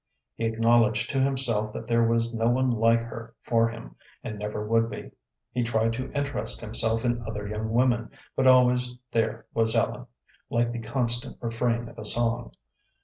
He acknowledged to himself that there was no one like her for him, and never would be. He tried to interest himself in other young women, but always there was Ellen, like the constant refrain of a song.